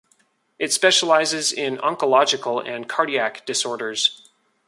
It specializes in oncological and cardiac disorders.